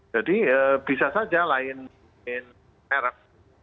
jadi bisa saja lain merek